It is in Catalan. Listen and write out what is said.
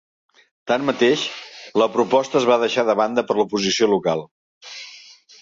Tanmateix, la proposta es va deixar de banda per l'oposició local.